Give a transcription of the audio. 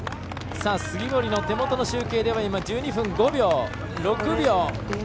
杉森の手元の集計では１２分５秒。